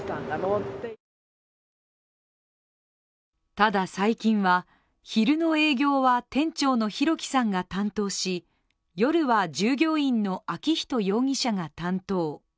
ただ最近は、昼の営業は店長の弘輝さんが担当し、夜は従業員の昭仁容疑者が担当。